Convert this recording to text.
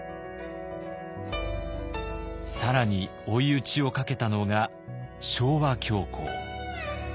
更に追い打ちをかけたのが昭和恐慌。